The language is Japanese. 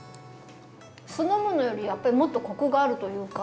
酢の物よりやっぱりもっとコクがあるというか。